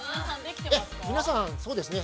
◆皆さん、そうですね。